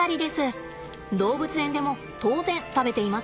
動物園でも当然食べていますよ。